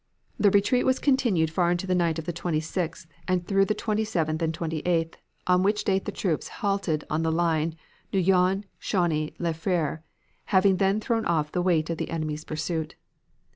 "The retreat was continued far into the night of the 26th and through the 27th and 28th, on which date the troops halted on the line Noyon Chauny LaFere, having then thrown off the weight of the enemy's pursuit.